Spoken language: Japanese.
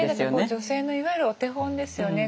女性のいわゆるお手本ですよね。